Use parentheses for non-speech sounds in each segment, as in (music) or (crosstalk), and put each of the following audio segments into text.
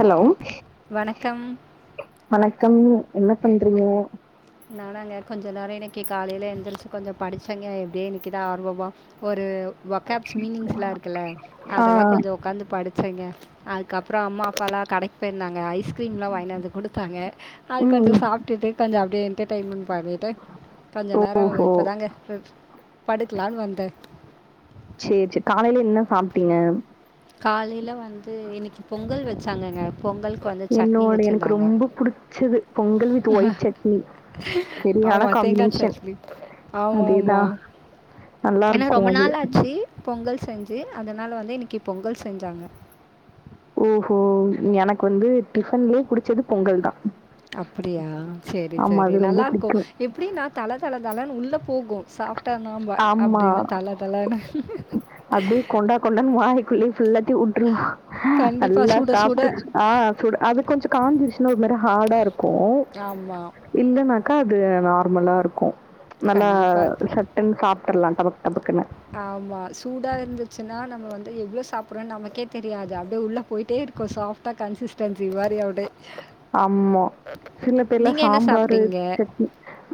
Hello வணக்கம் வணக்கம் என்ன பண்றிங்க நானாங்க கொஞ்சோ நேரோ இன்னக்கி காலேல எழுந்திரிச்சி கொஞ்ச படிச்சேங்க எப்டியே இன்றைக்கு தா ஆர்வமா ஒரு ஒக்கப் மீனிங்ஸ் எல்லா இருக்குல்ல ஆ அதெல்லா கொஞ்சோ உக்காந்து படிச்சங்க அதுக்கப்ரோ அம்மா அப்பாலா கடைக்கு போயிருந்தாங்க ஐஸ் க்ரீம்லா வாங்கின்னு வந்து குடுத்தாங்க அது கொஞ்சோ ம் சாப்ட்டுட்டு கொஞ்சோ அப்டியே என்டர்டெய்மண்ட் பண்ணிட் டு கொஞ்சோ நேரோ ஓஹோ இப்பதாங்க படுக்லானு வந்த செரி செரி காலைல என்ன சாப்ட்டீங்க காலேல வந்து இன்னிக்கு பொங்கல் வச்சாங்கங்க பொங்கல்க்கு வந்து சட்னி என்னோட எனக்கு வச்சிர்ந்தாங்க ரொம்ப புடிச்சது பொங்கல் வித் ஒயிட் சட்னி செரியான ஆமா தேங்கா காம்பினேஷன் சட்னி ஆமாமா அதேதா நல்லா என்ன இருக்கு ரொம்ப அது நாள் ஆச்சி பொங்கல் செஞ்சி அதனால வந்து இன்னைக்கு பொங்கல் செஞ்சாங்க ஓஹோ எனக்கு வந்து டிஃபன்லயே புடிச்சது பொங்கல் தா அப்டியா சேரி ஆமா சேரி அது நல்லா ரொம்ப இருக்கு புடிக்கு எப்டி நா தல தல தழன்னு உள்ள போகு சாப்டா நாம ஆமா அப்டின்னு தல தழன்னு அப்டியே கொண்டா கொண்டான்னு வாய்க்குள்ளேயே ஃபுல்லாத்தியு வுட்டுருவா கண்டிப்பா நல்லா சுட சுட சாப்ட்டு ஆ சுட அது கொஞ்சோ காஞ்சிடுச்சுனா ஒரு மாரி ஹாடா இருக்கு யாம்மா இல்லனாக்கா அது நார்மலா இருக்கு நல்லா கண்டிப்பா. சட்டுன் சாப்ட்ர்லா டபக் டபக்குன்னு ஆமா சூடா இருந்துச்சுனா நம்ம வந்து எவ்ளோ சாப்ரோ நமக்கே தெரியாது அப்டியே உள்ள போய்ட்டே இருக்கு ஷாப் டா கன்சிஸ்டன்சி வாரி அவுடே ஆமா சில பேர்லா சாம்பாரு சாப்பிட்டீங்க? சட்னி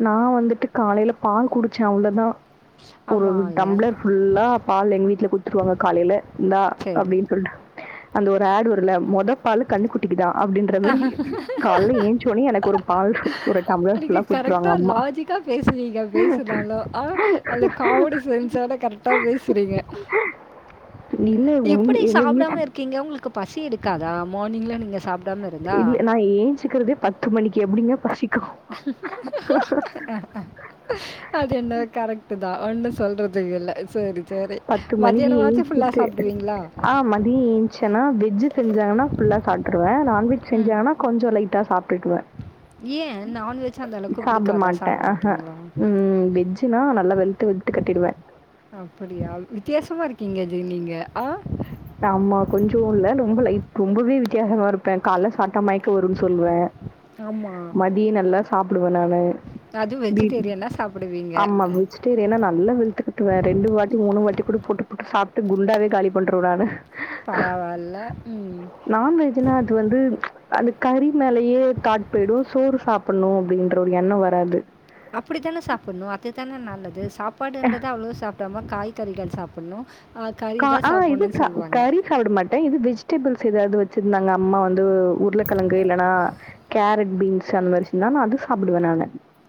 நா வந்துட்டு காலேல பால் குடிச்சே அவ்ளோ தா ஒரு ஆமால்ல. டம்ப்ளர் ஃபுல்லா பால் எங்க வீட்ல குட்துர்வாங்க காலேல இந்த சரி. அப்டின் சொல்ட்டு அந்த ஒரு அடு வருல மொத பாலு கன்னு குட்டிக்குதா அப்டின்ற மாரி கால்ல ஏஞ்சசோனேயே எனக்கு ஒரு பால் ஒரு டம்ளர் ஃபுல்லா குத்துருவாங்க அம்மா விட்டா பேசுவீங்க பேசுனாலோ ஆ அதுல காமெடி சென்ஸோட கரெக்டா பேசுறீங்க இல்ல உங் எங்க வீட்டு க்கீங்க உங்களுக்கு பசி எடுக்காதா மார்னிங்ல நீங்க சாப் இல்ல நா ஏஞ்சுக்கிறதே பத்து மணிக்கு எப்டிங்க பசிக் அஹ அது என்ன கரெக்ட் தா ஒண்ணு சொல்றதுக்கு இல்ல சேரி சேரி பத்து மணிக்கு ஏஞ்ச்சிட்டு ஆ மதியோ ஏஞ் சேனா வெஜ் செஞ்சாங்கனா ஃபுல்லா சாப்ட்டுருவே நான்வெஜ் ம். செஞ்சாங்கனா கொஞ்சோ லைட்டா சாப்ட்டுடுவே ஏன் நான்வெஜ் அந்த அளவுக்கு சாப்ட பிடிக்காதா? மாட்டே சாப்பிட ஆ ஹ மாட்டீங்களா? ம் வெஜ்ஜுனா நல்லா வெளுத்து கட் கட்டிடுவே அப்டியா வித்தியாசமா இருக்கீங்க ஜே நீங்க ஆ ஆமா கொஞ்சோ இல்ல ரொம்ப லைட் ரொம்பவே வித்தியாசமா இருப் பே கால்ல சாப்டா மயக்க வருனு சொல்லுவே ஆமா. மதிய நல்லா சாப்புடுவே நானு அதுவும் பீ வெஜிடேரியனா சாப்பிடுவீங்க. ஆம்மா வெ ஜ்டேரியன்னா நல்லா வெளுத்து கட்டுவே ரெண்டு வாட்டி மூணு வாட்டி கூட போட்டு போட்டு சாப்ட்டு குண்டாவே காலி பண்றுவே நானு பரவால்ல ம் நான்வெஜ்னா அது வந்து அந்த கறி மேலேயே தாட் போயிடு சோறு சாப் பன்னு அப்டின்ற ஒரு எண்ணோ வராது அப்டிதான சாப்புண்ணு அதுதான நல்லது சாப்பாடுன்றத அவ்ளோ சாப்டாம காய் கறிகள் சாப்புட்ணு அ கறி தா சாப்புன்னு சொல்வாங்க சாப்டமாட்ட இது வெஜிடபுள்ஸ் ஏதாவது வச் சிருந்தாங்க அம்மா வந்து உருளக்கெழங்கு இல்லனா கேரட் பீன்ஸ் சமர்சினா நா அது சாப்டுவே நானு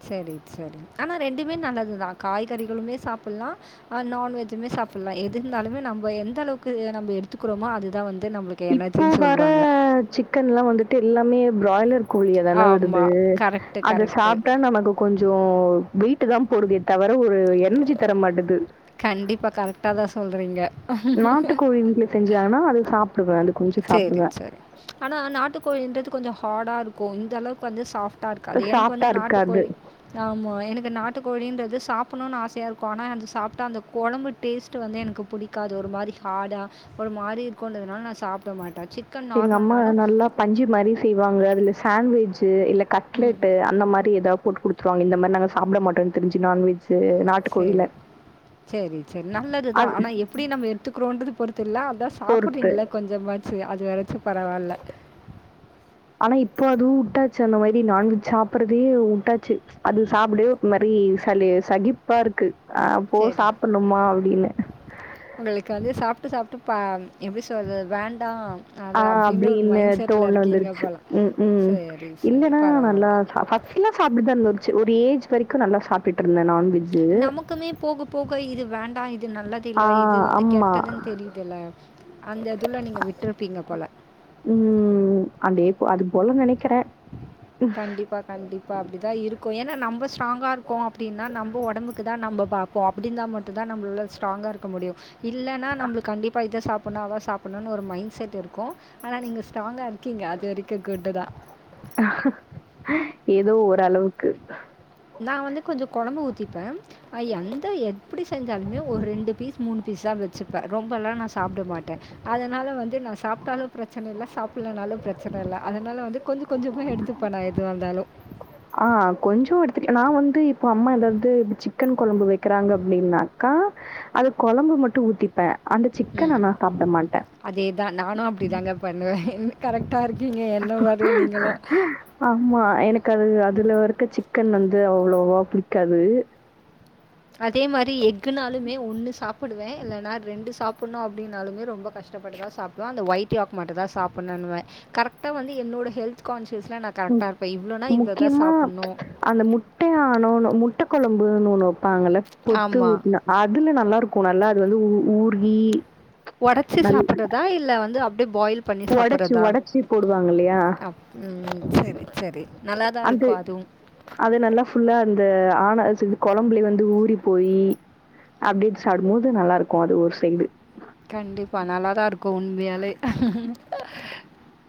செரி செரி ஆனா ரெண்டுமே நல்லதுதா காய்கறிகளுமே சாப்புல்லா ஆ நான்வெஜ்ஜுமே சாப்பில்லா எது இருந்தாலுமே நம்ப எந்த அளவுக்கு நம்ம எடுத்துக்கிறோமோ அதுதா வந்து நம்மளுக் இப்போ வர சிக்கன் ல்லா வந்துட்டு எல்லாமே பிராய்லர் கோழியா தான வருது ஆமாம் கரெக்ட்டு அத கரெக்ட்டு சாப்டா நமக்கு கொஞ்சோ வெய்ட்டு தா போடுதே தவர ஒரு எனர்ஜி தர மாட்டுது கண்டிப்பா கரெக்ட்டா தா சொல்றீங்க நாட்டு கோழி வீட்ல செஞ்சாங்கன்னா அது சாப்டுவே அது கொஞ் சேரி சரி ஆனா நாட்டு கோழின்ட்றது கொஞ்ச ஹார்டா இருக்கு இந்த அளவுக்கு வந்து சாஃட் டா இருக்காது எனக்கு வந்து சாஃப்ட்டா நாட்டு இருக்காது கோழி ஆம்மா எனக்கு நாட்டு கோழின்றது சாப்புண்ணுனு ஆசையா இருக்கு ஆனா அது சாப்டா அந்த கொழம்பு டேஸ்ட்டு வந்து எனக்கு புடிக்காது ஒரு மாரி ஹார்டா ஒரு மாரி இருக்குன்றதுனால நா சாப்ட மாட்டே சி எங்க அம்மா நல்லா பஞ்சு மாரி செய்வாங்க அதுல சாண்ட்விஜு இல்லக் ம். கட்லெட்டு அந்த மாரி ஏதா போட்டு குடுத்துருவாங்க இந்த மாரி நாங்க சாப்பிட மாட்டன்னு தெரிஞ்சு நான்வெஜ்ஜு பாட்டு கோயில்ல செரி செரி நல்லதுதா ஆனா எப்டி நம்ம எடுத்துக்குறோன்றது பொறுத்து இல்ல அதா பொறுத்து. சாப்புட்றீங்கள கொஞ்சமாத் சு அது வெறச்சு பரவால்ல ஆனா இப்போ அதுவு வுட்டாச்சு அந்த மாரி நா வெஜ் சாப்பிடுறதயே உட்டாச்சு அது சாப்டவே ஒரு மாரி சலி சகிப்பா இருக்கு அ போ சரி. சாப்புட்ணுமா அப்டின்னு உங்களுக்காக சாப்ட்டு சாப்ட்டு பாம் எப்டி சொல்றது வேண்டா ஆ அப்டின்னு டோன்ல வந்துருச்சு போல் ம் ம் சரி சரி இல்லென்னா நல்லா பரவாயில்ல சாப்பாட் ஃபஸ் ஃபுல்லா சாப்ட்டுடுதா இருந்த ஒருச்சே ஒரு ஏஜ் வரைக்கு நல்லா சாப்ட்டுட்ருந்தே நான்வெஜ் நமக்குமே போக போக இது வேண்டா இது நல்லத் ஆ தில்ல இது வந்து ஆமா. கேட்டதுனு தெரியுதல்ல அந்த இதுல நீங்க விட்ருப்பீங்க போல ம் அதேபோ அது போல நெனைக்கிற கண்டிப்பா கண்டிப்பா அப்படிதா இருக்கு ஏன்னா நம்ம ஸ்ட்ராங்கா இருக்ககோ அப்படின்னா நம்ம உடம்புக்கு தா நம்ம பாப்போ அப்டிந்த மட்டுதா நம்மளால ஸ்ட்ராங்க இருக்க முடியு இல்லன்னா நம்ளுக் கண்டிப்பா இத சாப்புட்ணு அத சாப்புட்ணுன்னு ஒரு மைண்ட் செட் இருக்கு ஆனா நீங்க ஸ்ட்ராங்கா இருக்கீங்க அது வரைக்கு குட்டு தா அஹ ஏதோ ஒரளவுக்கு நா வந்து கொஞ்சோ கொழம்பு ஊத்திப்ப ஐ அந்த எப்படி செஞ்சாலுமே ஒரு ரெண்டு பீஸ் மூணு பீஸ்ஸா வச்சுப்பே ரொம்ப எல்லா நா சாப்பிட மாட்டே அதனால வந்து நா சாப்ட்டாலு ப்ரச்சன இல்ல சாப்பில்லனாலு ப்ரச்சன இல்ல அதனால வந்துட் கொஞ்ச கொஞ்சமா எடுத்துப்பே நா எதுவா இருந்தாலு ஆ கொஞ்சோ எடுத்துக்க நா வந்து இப்போ அம்மா ஏதாவது பி சிக்கன் கொழம்பு வைக் க்கிறாங்க அப்டின்னாக்கா அது கொழம்பு மட்டு ஊத்திப்பே அந்த சிக்கன் ம் ஆனா சாப்ட மாட்டே பண்ணுவே என் கரெக்டா இருக்கீங்க என்ன மாரியே நீங்களு ஆம்மா எனக்கு அது அதுல இருக்க சிக்கன் வந்து அவ்ளோவா புடிக்காது அதே மாரி எக்குனாலுமே ஒண்ணு சாப்பிடுவே இல்லைனா ரெண்டு சாப்பிடணு அப்படின்னாலமே ரொம்ப கஷ்டப்பட்டுதா சாப் க அந்த ஒயிட்யாக் மட்டுதா சாப்புணுன்னுவே கரெக்டா வந்து என்னோட ஹெல்த் கான்ஸியஸ்ல நாத் ம். கரெக்டா இருப்பே இவ்ளோனா இவ்ளோ தா முக்கியமா சாப்புட்ணு அந்த முட்டே ஆனோன்னு முட்ட கொழம்புன் ஒன்னு வப்பாங்கல்ல பொத்து ஆமா. ஊட்னா அதுல நல்லாருக்கு நல்லா அது வந்து ஊ ஊருகி ஒடச்சி சாப்ட்றதா இல்ல வந்து அப்டி பாயில் பண்ணி சாப்ட்றதா அங் இல்லையா அப்புன் செரி செரி நல்லாதா அந்த இருக்கு அதுவு அது நல்லா ஃபுல்லா அந்த ஆனாஸ் சிபு கொழம்புலே வந்து ஊறி போயி அப்டியே எடுத்து சாப்டும் போது நல்லாருக்கு அது ஒரு சைடு கண்டிப்பா நல்லாதா இருக்கு உண்மையாலே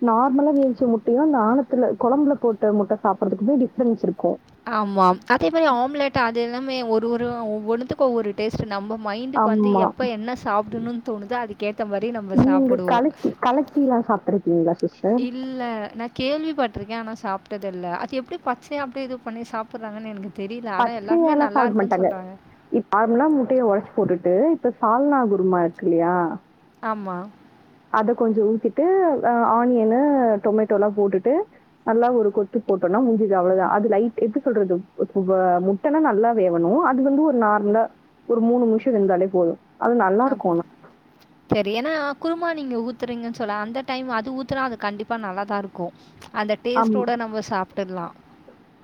நார்மலா வேவ்ச்ச முட்டையு அந்த ஆணத்துல குழம்புல போட்ட முட்ட சாப்பறதுக்குமே டிஃபரென்ட்ஸ் இருக்கு ஆமாம் அதே மாரி ஆம்லெட் அது எல்லாமே ஒரு ஒரு ஒவ்வொண்ணுத்துக் கு ஒரு டேஸ்ட்டு நம்ம மைண்டுக்கு வந்து ஆமா. எப்ப என்ன சாப்பிடணும்னு தோணுதோ அதுக்கேத்த மாரி நம்ம சாப்புடுவோ கலக்கு கலக்கிலா சாப்ட்ருக்கீங்களா சிஸ் இல் இல்ல நா கேள்விபட்ருக்கே அனா சாப்ட்டது இல்ல அது எப்டி பச்சையா அப்டி ஏதோ பண்ணி சாப்புட்றாங்கன்னு எனக்குத் தெரில ஆனா எல்லாருமே பச்சையாலா நல்லா சாப்ட இருக்குன்னு மாட்டாங்க. சொல்றாங்க இப் நார்மலா முட்டைய ஒடச்சி போட்டுட்டு இப்போ சால்னா குருமா இருக்கு இல்லையா ஆமா அத கொஞ்சோ ஊத்திட்டு அ ஆனியனு டொமேட்டோலா போட்டுட்டு நல்லா ஒரு கொத்து போட்டோனா முஞ்சுது அவ்வுளோதா அது லைட் எது சொல்றது முட்டல்லா நல்லா வேவனு அது வந்து ஒரு நார்மலா ஒரு மூணு நிமிஷோ வெந்தாலே போது அது நல்லா இருக்கு ஆனா செரி ஏன்னா குருமா நீங்க ஊத்துறீங்கன்னு சொல்ல அந்த டைம் அது ஊத்துனா அது கண்டிப்பா நல்லாதா இருக்கு அந்த ஆம். டேஸ்ட்டோட நம்ம சாப்ட்ர்லா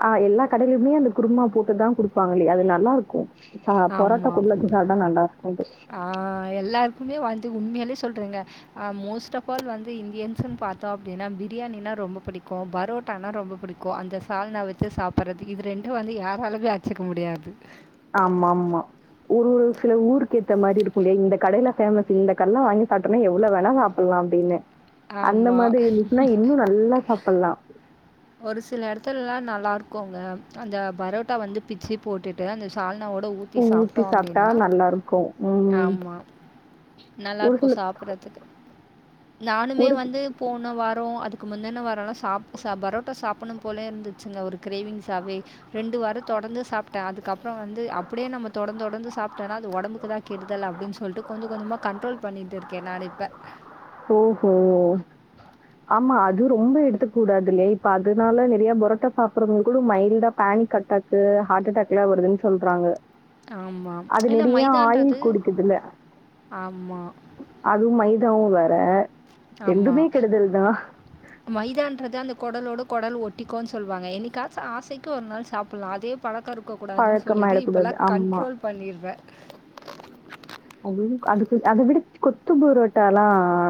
ஆ எல்லா கடையிலையுமே அந்த குருமா போட்டுதா குடுப்பாங்களலேயா அது நல்லா இருக்கு ஆ ஆமா. பரோட்ட (unintelligible) நல்லா இருக்கு ஆ எல்லாருக்குமே வாழ்த்து உண்மையிலே சொல்றங்க ஆ மோஸ்ட் ஆப் ஆல் வந்து இந்தியன்சுன்னு பாத்தா அப்புடின்னா பிரியாணின்னா ரொம்ப பிடிக்கு பரோட்டான ரொம்ப புடிக் கு அந்த சால்னா வச்சு சாப்பறது இது ரெண்டு வந்து யாராலுமே அடிச்சுக்க முடியாது ஆமா ஆமா ஒரு ஒரு சில ஊருக்கு ஏத்த மாரி இருக்குலேயா இந்த கடைல ஃபேமஸ் இந்த கடையில வாங்கி சாப்டனா எவ்ளோ வேனா சாப் ல்லா அப்புடின்னு அந்த ஆமா. மாதிரி இருந்துச்சுன்னா இன்னு நல்லா சாப்பிடலா ஒரு சில எடத்துலல்லா நல்லாருக்குங்க அந்த பரோட்டா வந்து பிச்சு போட்டுட்டு அந்த சால்னாவோட ஊத்தி ஊ- சாப்பிட்டோ சாப்ட்டா அப்புடின்னா நல்லாருக்கும். ம். ஆமா நல்லா ஒரு இருக்கு சில சாப்பிடரதுக்கு நானுமே ஒரு வந்து போன வாரோ அதுக்கு முந்தின வாரம்லா சாப் ச பரோட்டா சாப்பிடுனு போலேயே இருந்துச்சுங்க ஒரு கிரேவிங்ஸாவே ரெண்டு வாரோ தொடர்ந்து சாப்ட்டே அதுக்கு அப்றோ வந்து அப்டியே நம்ம தொடர்ந்து தொடர்ந்து சாப்ட் ட்டனா அது ஒடம்புக்கு தா கெடுதல் அப்டின் சொல்லிட்டு கொஞ்சு கொஞ்சமா கன்ட்ரோல் பண்ணிட்டு இருக்கே நான்னு இப்ப ஓ ஓ ஆமா அது ரொம்ப எடுத்துக்க கூடாதுல்ல இப்ப அதனால நெறையா பொரட்டா சாப்பிடுறவங்க கூட மைல்டா பேனிக் அட் அடேக்கு ஹார்ட்டடாக் எல்லா வருதுன்னு சொல்றாங்க ஆமா. அது ஏன்னா நெறயா ஆயில் மைதான்றது குடிக்குதுல ஆமா, அது மைதாவும் வேற ஆமா கெடுதல் தான். மைதான்றது அந்த குடலோட குடல் ஒட்டிக்கு சொல்லுவாங்க என்னைகாச்சு ஆசைக்கு ஒரு நாள் சாப்பிடலா அதே பழக்கோ இருக்கக் கூடாதுன்னு சொல்லிட்டு பழக்கமாயிடக்கூடாது. இப்பல்லா ஆமா. கண்ட்ரோல் பண்ணிருவே அதுவு அதுக்கு அத விட கொத்து போரோட்டலா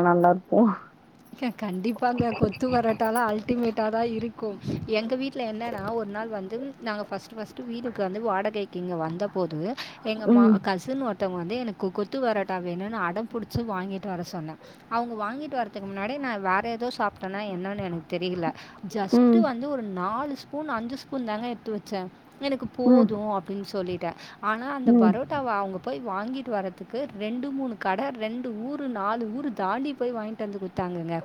நல்லார்க்கு கண்டிப்பாங்க கொத்து பரோட்டாலா அல்டிமேட்டா தா‌ இருக்கு எங்க வீட்டுல என்னன்னா ஒரு நாள் வந்து நாங்க ஃபர்ஸ்ட் ஃர்ஸ்ட்டு வீட்டுக்கு வந்து வாடகைக்கு இங்க வந்த போது எங்க மா ம். கஸின் ஒருந்தவங்க வந்து எனக்கு கொத்து பரோட்டா வேனுன்னு அடம்பிடிச்சு வாங்கிட்டு வர சொன்ன அவங்க வாங்கிட்டு வர த்துகு முன்னாடி நா வேற ஏதோ சாப்பிட்டேன என்னான்னு எனக்கு தெரியல ஜஸ்ட் ம். வந்து ஒரு நாலு ஸ்பூன் அஞ்சு ஸ்பூன் தாங்க எடுத்து வச்சே எனக்கு ம். போது அப்புடின்னு சொல்லிட்டே ஆனா அந்த ம். பரோட்ட டாவ அவங்க போய் வாங்கிட்டு வரதுக்கு ரெண்டு மூணு கடை ரெண்டு ஊரு நாலு ஊர் தாண்டி போய் வாங்கிட்டு ட்டு வந்து குடுத்தாங்கங்க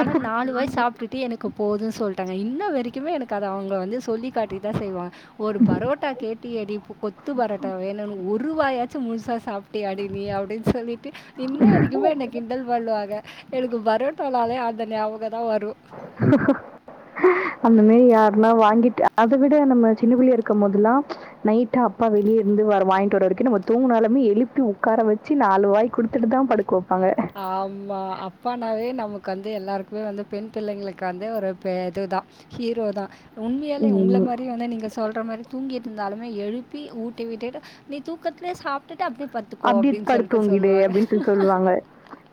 ஆனா நாலு வாய் சாப்டுட்டு எனக்கு போது சொல்லிட்டாங்க இன்ன வரைக்குமே எனக்கு அத அவங்க வந்து சொல்லி காட்டி தா செய்வாங்க ஒரு பரோட்டா கேட்டியே எடி கொத்து பரோட்டா வேணும்னு ஒரு வாயாச்சு முழுசா சாப்பிட் ட்டியாடி நீ அப்டின்னு சொல்லிட்டு இன்ன வரைக்குமே என்ன கிண்டல் பண்ணுவாங்க எனக்கு பரோட்டனாலே அந்த ஞாபக தா வரு ஹ் அந்த மேரி யாருன்னா வாங்கிட்டு அத விட நம்ம சின்ன புள்ளைய இருக்கு போதுலா ம்ச் நைட்டு அப்பா வெளியே இருந்து வர வாங்கிட்டு வர வரைக்கு நம்ம தூங்கினாலுமே எழுப்பி உட்கார வச்சு நாலு வாய் குடு த்துட்டு தா படுக்க வப்பாங்க ஆமா அப்பானாவே நமக்கு வந்து எல்லாருக்குமே வந்து பெண் பிள்ளைங்களுக்கு வந்து ஒரு பெ இதுதா ஹீரோ தா உண்மையாலே உங்கள ம். மாரி வேணா நீங்க சொல்ற மாரி தூங்கிருந்தாலுமே எழுப்பி ஊட்டி விட்டுட்டு நீ தூக்கத்லே சாப்டுட்டு அப்டியே பட் அப்டியே படுத்துதூங்கிடு அப்டின்னு சொல்லி சொல்லுவாங்க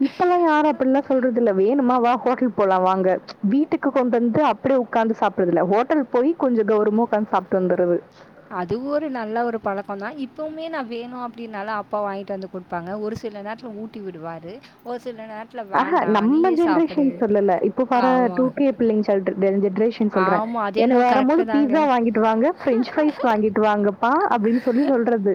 இப்பல்லா யாரோ அப்டில்லா சொல்றதில்ல வேணுமா வா ஹோட்டல் போலா வாங்க வீட்டுக்கு கொண்டு வந்து அப்டியே உக்கார்ந்து சாப்புட்றது இல்ல ஹோட்டல் போய் கொஞ்சோ கௌரமா உக்காந்து சாப்ட்டு வந்தரது அதுவு ஒரு நல்ல ஒரு பழக்கோ தா இப்பவுமே நா வேணு அப்டின்னாலு அப்பா வாங்கிட்டு வந்து குடுப்பாங்க ஒரு சில நேரத்துல ஊட்டி விடுவாரு ஒரு சில நேரத் அ அ நம்ம ஜென்ரேஷன் சொல்லல இப்போ வர ஆமா. டூ கே பிள்ளைங்க சொல் ஜென்ஜென்ரேஷன் சொல்ற ஆமா. அது என்னக்கு என்னவோ வறபோது கரெக்ட்டு தாங்க. பீஸா வாங்கிட்டு வாங்க பிரெஞ்சு ஃப்ரைஸ் வாங்கிட்டு வாங்கப்பா அப்டின்னு சொல்லி சொல்றது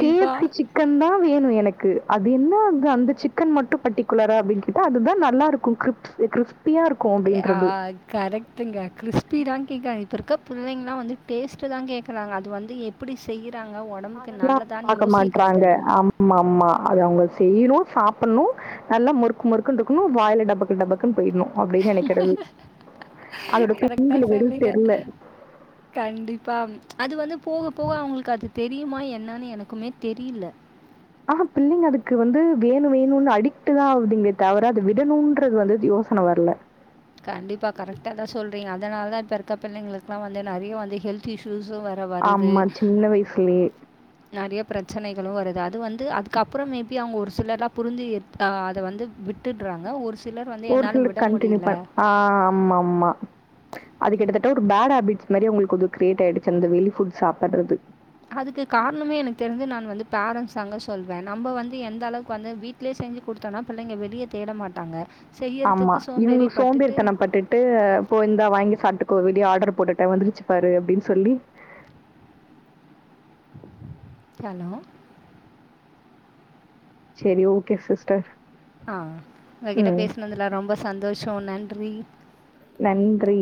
கே எப் ஸி சிக் க்கன் தா வேணு எனக்கு அது என்ன அது அந்த சிக்கன் மட்டு பட்டி குலரா அப்டினு கேட்டா அதுதா நல்லா இருக்கு கிரிப்ஸ் கிரிஸ்பியா இருக் ஏ அ அ கரெக்டுங்க கிறிஸ்பிதா கேக்கறாங்க இப்போ இருக்க புள்ளைங்கலா வந்து டேஸ்ட்டு தா கேக்குறாங்க அது வந்து எப்டி செய்றாங்க உடம்புக்கு அதெல்லாம் அவங்க நல்லதான்னு பாக்க யோசிக்றது மாட்றாங்க. இல்ல ஆமா ஆமா அத அவுங்க செய்ணு சாப்புட்ணு நல்லா மொறுக் மொறுக்குன்னு இருக்கனு வாயில டபக்கு டபக்குன்னு பொய்ட்ணு அப்டி நெனைக்குறது அதோட பின் கரெக்ட்டா விளைவுகள் சொன்னீங்க. தெர்ல கண்டிப்பா அது வந்து போக போக அவங்களுக்கு அது தெரியுமா என்னன்னு எனக்குமே தெரில ஆஹா பிள்ளைங்க அதுக்கு வந்து வேணு வேணுன்னு அடிட் தா ஆவுதுங்ளே தவிர அத விடணுன்றது வந்து யோசன வரல கண்டிப்பா கரெக்டா தா சொல்றீங்க அதனால தா இப்ப இருக்க பிள்ளைங்களுக்ல்லா வந்து நெறைய வந்து ஹெல்த் இஸ்யூஸ் வர வாய் ஆமா சின்ன வயஸ்லே நெறைய ப்ரச்சனைகளு வருது அது வந்து அதுக்கப்ரோ மேபி அவுங்க ஒரு சிலர்லா புரிஞ்சி அ அத வந்து விட்டுட்றாங்க ஒரு சி ஒரு சில கண்டினியூ பண் அ ஆம்மாமா அது கிட்டத்தட்ட ஒரு பேடு ஹேபிட்ஸ் மாரி அவுங்களுக்கு அது கிரியேட் ஆயிடுச்சு அந்த வெளிஃபுட் சாப்பட்றது அதுக்கு காரணமே எனக்கு தெரிஞ்சி நான் வந்து பேரண்ட்ஸ் தாங்க சொல்வே நம்ம வந்து எந்த அளவுக்கு வந்து வீட் லே செஞ்சு குடுத்தோனா பிள்ளைங்க வெளிய தேட மாட்டாங்க ஆமா செய்யறதுக்கு சோம்பேறி இவுங்ளுக் பட்டுட்டு சோம்பேறிதனோ பட்டுட் ட்டு போ இந்தா வாங்கி சாப்ட்டுக்கோ வெளிய ஆர்டர் போட்டுடே வந்துருச்சு பாரு அப்டின் சொல்லி ஹலோ சேரி ஓகே சிஸ்டர் அ உங்ககிட்ட ம். பேசுனதுல ரொம்ப சந்தோஷ நன்றி நன்றி